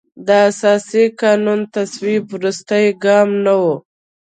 د اساسي قانون تصویب وروستی ګام نه و.